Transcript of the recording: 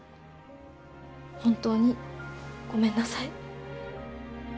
本当にごめんなさい。